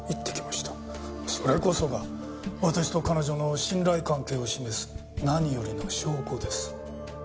それこそが私と彼女の信頼関係を示す何よりの証拠です。